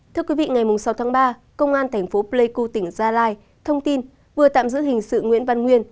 thưa quý vị ngày sáu tháng ba công an thành phố pleiku tỉnh gia lai thông tin vừa tạm giữ hình sự nguyễn văn nguyên